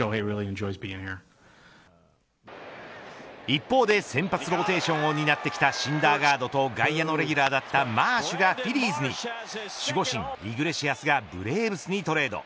一方で先発ローテーションを担ってきたシンダーガードと外野のレギュラーだったマーシュがフィリーズに守護神イグレシアスがブレーブスにトレード。